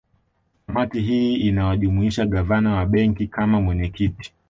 Kamati hii inawajumuisha Gavana wa Benki kama mwenyekiti